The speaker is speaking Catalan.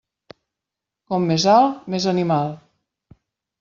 Com més alt, més animal.